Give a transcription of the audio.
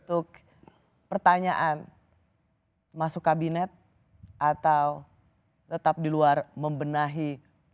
untuk pertanyaan masuk kabinet atau tetap di luar membenahi